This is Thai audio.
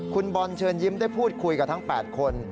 คุณบอลเชิญยิ้มได้พูดคุยกับทั้ง๘คน